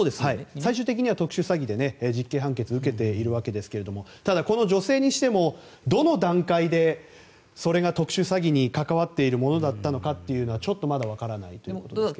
最終的に特殊詐欺で実刑判決を受けているわけですがただ、この女性にしてもどの段階でそれが特殊詐欺に関わっているものだったのかはちょっとまだわからないということですが。